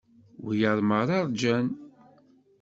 Wiyaḍ merra rjan.